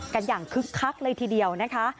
อย่างคึกคักเลยทีเดียวนะคะ